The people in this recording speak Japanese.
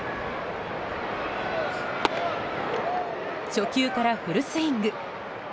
初球からフルスイング。